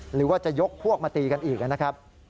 หรือว่าจะยกพวกมาตีกันอีกนะครับ